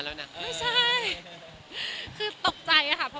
มีความสุขมากค่ะ